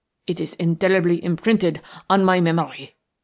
It is indelibly imprinted on my memory."